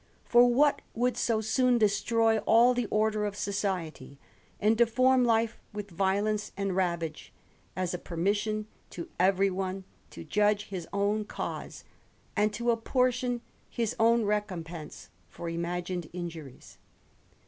For, what would so soon destroy all the order of society, and deform life with violence and ravage, as a permission to every one to judge his own cause, and to apportion his own recompense for imagined injuries